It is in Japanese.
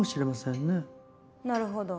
なるほど。